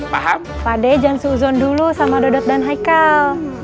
pak d jangan seuzon dulu sama dodot dan haikal